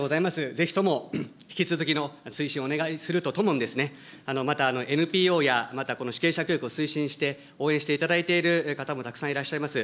ぜひとも引き続きの推進をお願いするとともに、またＮＰＯや、またこの主権者教育を推進して応援していただいている方もたくさんいらっしゃいます。